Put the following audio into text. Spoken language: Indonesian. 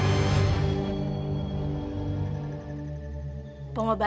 pengobatan itu hanya menjaga proses pengelupasan